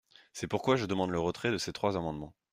C’est pourquoi je demande le retrait de ces trois amendements.